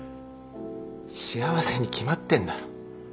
幸せに決まってんだろ。